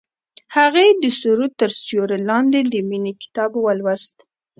هغې د سرود تر سیوري لاندې د مینې کتاب ولوست.